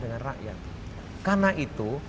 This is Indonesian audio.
dengan rakyat karena itu